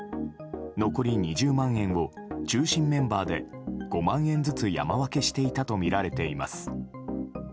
残り２０万円を中心メンバーで５万円ずつ山分けしていたとみられています。